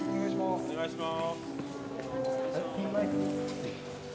・お願いします。